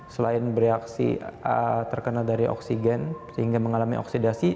selain bereaksi terkena dari oksigen sehingga mengalami oksidasi